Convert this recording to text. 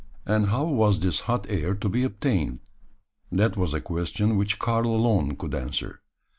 And how was this hot air to be obtained? That was a question which Karl alone could answer.